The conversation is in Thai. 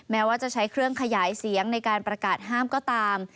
แม้ว่าจะใช้เครื่องขยายเสียงในการประกาศห้ามก็ตาม